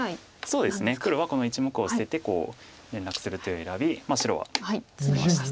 そうですね黒はこの１目を捨ててこう連絡する手を選び白はツナぎました。